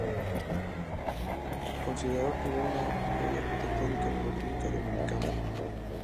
Considerado como una joya arquitectónica en la República Dominicana.